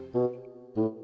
jangan ganggu galau gue